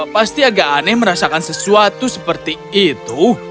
pasti agak aneh merasakan sesuatu seperti itu